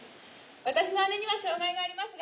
私の姉には障害がありますが。